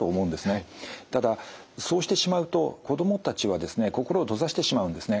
ただそうしてしまうと子供たちはですね心を閉ざしてしまうんですね。